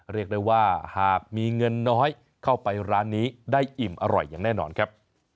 เรียกได้ว่าหากมีเงินน้อยเข้าไปร้านนี้ได้อิ่มอร่อยอย่างแน่นอนครับ